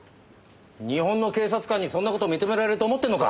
日本の警察官にそんな事認められると思ってるのか。